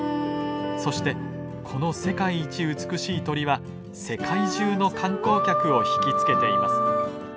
そしてこの世界一美しい鳥は世界中の観光客を引き付けています。